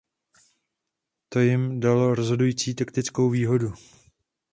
To jim dalo rozhodující taktickou výhodu.